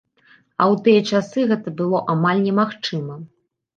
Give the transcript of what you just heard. А ў тыя часы гэта было амаль немагчыма!